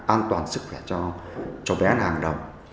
an toàn sức khỏe cho bé hàng đầu